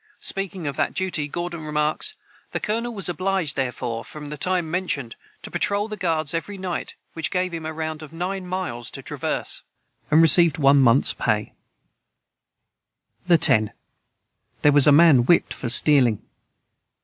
Speaking of that duty, Gordon remarks: "The colonel was obliged, therefore, for the time mentioned, to patrol the guards every night, which gave him a round of nine miles to traverse."] the 10. Their was a man Whiped for Stealing.